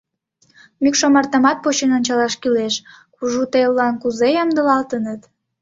Мӱкш омартамат почын ончалаш кӱлеш: кужу телылан кузе ямдылалтыныт.